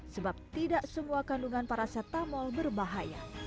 sebab tidak semua kandungan paracetamol berbahaya